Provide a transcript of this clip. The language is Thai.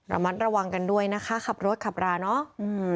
ระมัดระวังกันด้วยนะคะขับรถขับราเนาะ